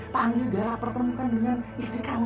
panggil gara pertempuran dengan istri kamu